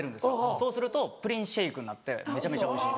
そうするとプリンシェイクになってめちゃめちゃおいしい。